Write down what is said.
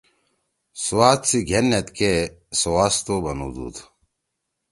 سوات سی گھین نھید کے سواستو بنُودُود۔